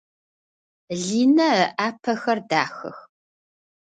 Линэ ыӏапэхэр дахэх.